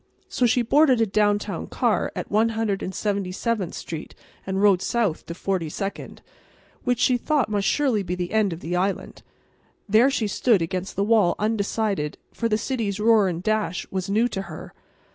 So she boarded a downtown car at One Hundred and Seventy seventh street and rode south to Forty second, which she thought must surely be the end of the island. There she stood against the wall undecided, for the city's roar and dash was new to her.